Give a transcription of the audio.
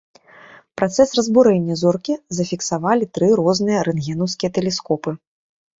Працэс разбурэння зоркі зафіксавалі тры розныя рэнтгенаўскія тэлескопы.